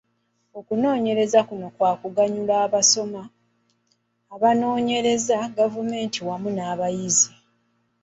Okunoonyereza kuno kwa kuganyula abasomesa, abanoonyereza, gavumenti wamu n'abayizi.